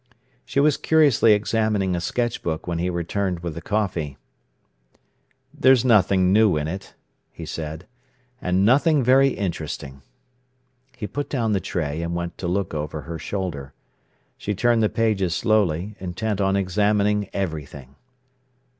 She was curiously examining a sketch book when he returned with the coffee. "There's nothing new in it," he said, "and nothing very interesting." He put down the tray, and went to look over her shoulder. She turned the pages slowly, intent on examining everything.